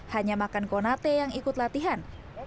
hanya makan konate yang ikut latihan